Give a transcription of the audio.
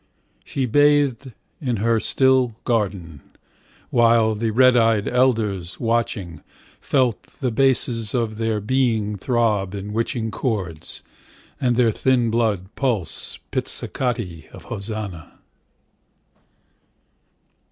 She bathed in her still garden, while The red eyed elders, watching, felt The basses of their beings throb In witching chords, and their thin blood Pulse pizzicati of Hosanna.